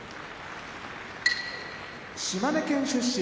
島根県出身